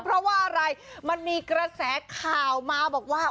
เพราะว่าอะไรมันมีกระแสข่าวมาบอกว่า